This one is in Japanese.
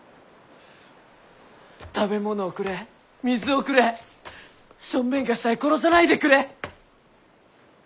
食べ物をくれ水をくれ小便がしたい殺さないでくれ。